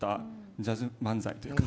ジャズ漫才っていうか。